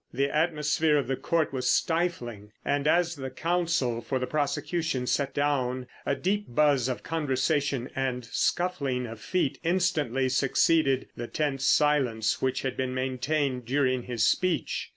The atmosphere of the Court was stifling, and as the counsel for the prosecution sat down a deep buzz of conversation and scuffling of feet instantly succeeded the tense silence which had been maintained during his speech.